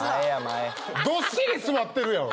どっしり座ってるやん！